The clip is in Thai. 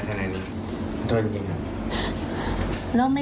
ถ้าเราเห็นเหตุการณ์อย่างนั้น